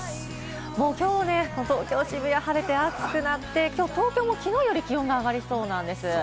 きょうの東京・渋谷、晴れて暑くなって、東京、昨日より気温が上がりそうなんです。